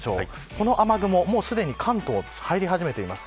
この雨雲はすでに関東に入り始めています。